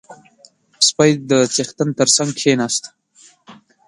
• سپی د څښتن تر څنګ کښېناست.